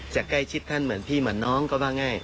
จะใกล้ชิดท่านเหมือนพี่เหมือนน้องก็ว่าง่าย